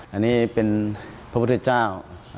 อันนี้เป็นพระพุทธเจ้า